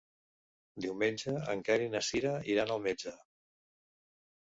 Diumenge en Quer i na Cira iran al metge.